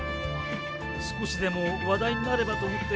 少しでも話題になればと思って。